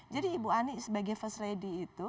jadi ibu ani sebagai first lady itu